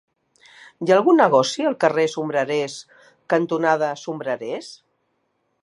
Hi ha algun negoci al carrer Sombrerers cantonada Sombrerers?